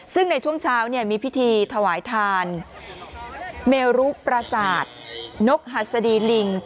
ซึ่งในช่วงเช้ามีพิธีถวายทานเมรุประสาทนกหัสดีลิง